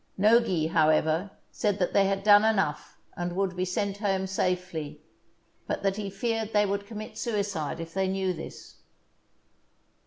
Nogi, however, said that they had done enough, and would be sent home safely; but that he feared they would commit suicide if they knew this.